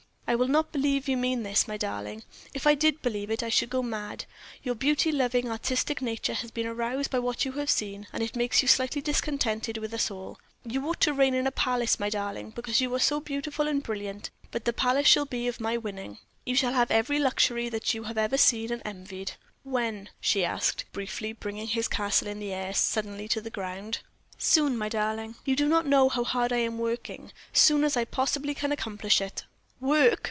"I will not believe you mean this, my darling; if I did believe it I should go mad. Your beauty loving, artistic nature has been aroused by what you have seen, and it makes you slightly discontented with us all. You ought to reign in a palace, my darling, because you are so beautiful and brilliant; but the palace shall be of my winning. You shall have every luxury that you have seen and envied." "When?" she asked, briefly, bringing his castle in the air suddenly to the ground. "Soon, my darling you do not know how hard I am working soon as I can possibly accomplish it." "Work!"